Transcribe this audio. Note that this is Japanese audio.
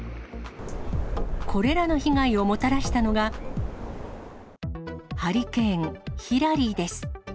これらの被害をもたらしたのが、ハリケーン・ヒラリーです。